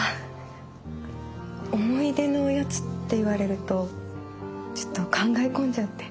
思い出のおやつって言われるとちょっと考え込んじゃって。